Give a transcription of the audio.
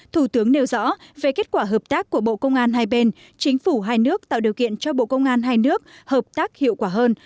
thủ tướng nêu rõ về kết quả hợp tác của bộ công an hai bên chính phủ hai nước tạo điều kiện cho bộ công an hai nước hợp tác hiệu quả hơn